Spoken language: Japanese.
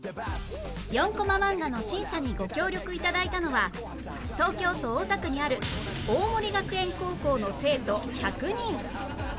４コマ漫画の審査にご協力頂いたのは東京都大田区にある大森学園高校の生徒１００人